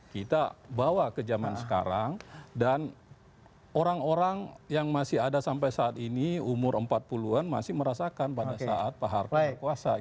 kita bawa ke zaman sekarang dan orang orang yang masih ada sampai saat ini umur empat puluh an masih merasakan pada saat pak harto berkuasa